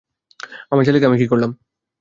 আমার ছেলেকে আমি কী করলাম।